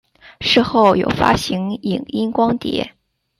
事后有发行影音光碟。